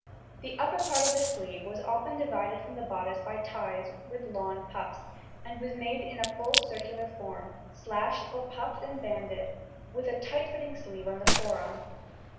The upper part of the sleeve was often divided from the bodice by ties with lawn puffs, and was made in a full circular form, slashed or puffed and banded, with a tight fitting sleeve on the forearm.